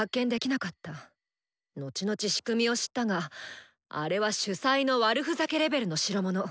のちのち仕組みを知ったがあれは主催の悪ふざけレベルの代物！